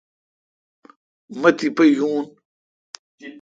مہ تیپہ یون۔